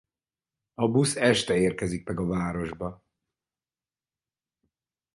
A busz este érkezik meg a városba.